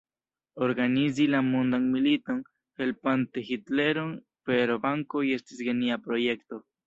Organizi la mondan militon, helpante Hitleron per bankoj estis genia projekto.